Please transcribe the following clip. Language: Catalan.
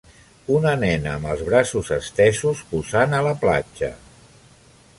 Una nena amb els braços estesos posant a la platja.